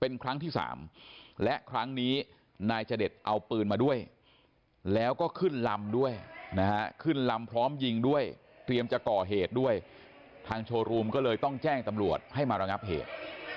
นายจเดชเอาปืนมาด้วยแล้วก็ขึ้นลำด้วยขึ้นลำพร้อมยิงด้วยเตรียมจะก่อเหตุด้วยทางโชว์รูมก็เลยต้องแจ้งตำรวจให้มาระงับเหตุ